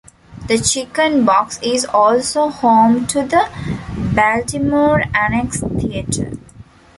The Chicken Box is also home to the Baltimore Annex Theater.